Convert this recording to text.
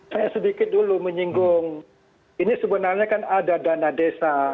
saya sedikit dulu menyinggung ini sebenarnya kan ada dana desa